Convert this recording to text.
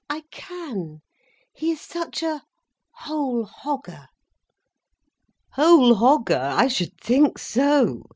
"I can. He is such a whole hogger." "Whole hogger! I should think so!"